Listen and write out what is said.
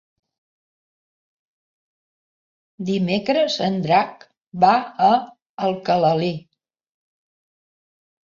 Dimecres en Drac va a Alcalalí.